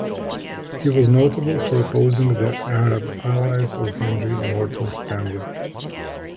He was notable for opposing the Arab allies of Henry Morton Stanley.